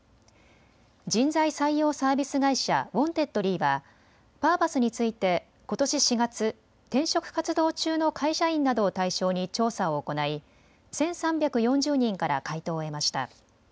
人材採用サービス会社、ウォンテッドリーはパーパスについてことし４月、転職活動中の会社員などを対象に調査を行い１３４０人から回答を得ました。